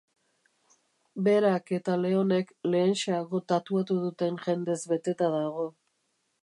Berak eta Leonek lehenxeago tatuatu duten jendez beteta dago.